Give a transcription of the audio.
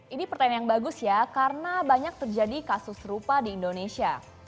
ini pertanyaan yang bagus ya karena banyak terjadi kasus serupa di indonesia